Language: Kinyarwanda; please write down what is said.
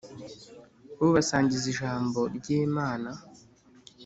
Ubasangiza ijambo ryimana